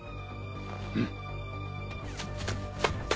うん。